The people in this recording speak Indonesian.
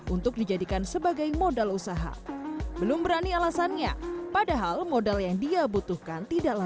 untuk dijadikan sebagai modal usaha belum berani alasannya padahal modal yang dia butuhkan tidaklah